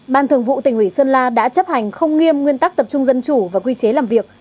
ban thường vụ tỉnh ủy sơn la đã chấp hành không nghiêm nguyên tắc tập trung dân chủ và quy chế làm việc